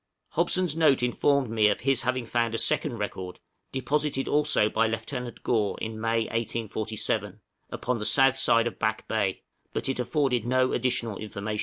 Hobson's note informed me of his having found a second record, deposited also by Lieut. Gore in May, 1847, upon the south side of Back Bay, but it afforded no additional information.